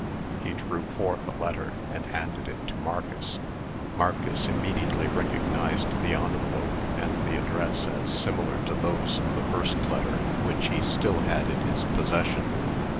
He drew forth a letter, and handed it to Marcus. Marcus immediately recognized the envelope and the address as similar to those of the first letter, which he still had in his possession.